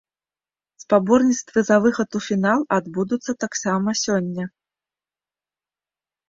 Спаборніцтвы за выхад у фінал адбудуцца таксама сёння.